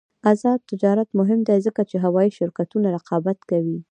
آزاد تجارت مهم دی ځکه چې هوايي شرکتونه رقابت کوي.